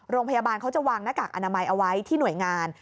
โรงพยาบาลเขาจะวางหน้ากากอนามัยเอาไว้ที่หน่วยงาน